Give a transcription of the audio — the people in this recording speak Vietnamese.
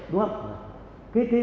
cái hình ảnh đó ấy